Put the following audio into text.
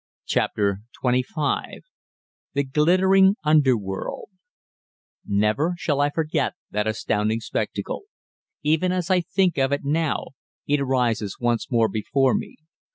CHAPTER XXV THE GLITTERING UNDERWORLD Never shall I forget that astounding spectacle. Even as I think of it now, it rises once more before me.